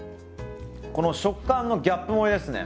この食感のギャップ萌えですね。